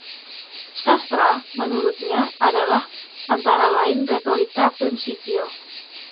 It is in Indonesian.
"Sastra", menurutnya, "adalah, antara lain, retorika prinsipiel".